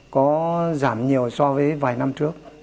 nó giảm nhiều so với vài năm trước